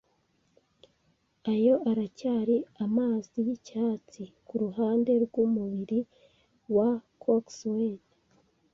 ayo aracyari amazi yicyatsi, kuruhande rwumubiri wa coxswain.